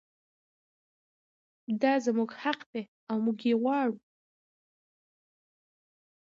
دا زموږ حق دی او موږ یې غواړو.